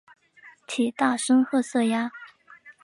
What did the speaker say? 体大深褐色鸭。